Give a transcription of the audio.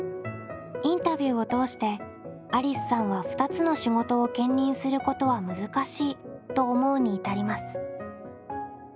インタビューを通してありすさんは２つの仕事を兼任することは難しいと思うに至ります。